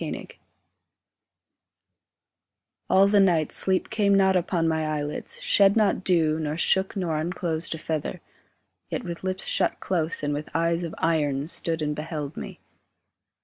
SAPPHICS All the night sleep came not upon my eyelids, Shed not dew, nor shook nor unclosed a feather, Yet with lips shut close and with eyes of iron Stood and beheld me.